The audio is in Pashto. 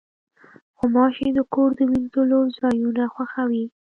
غوماشې د کور د وینځلو ځایونه خوښوي.